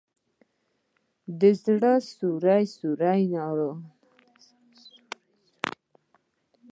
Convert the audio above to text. د زړه سوری ساري ناروغي نه ده.